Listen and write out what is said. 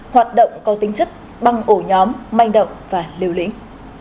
hoạt động có tính chất băng ổ nhóm manh động và liều lĩnh